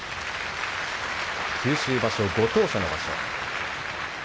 九州場所、ご当所の場所。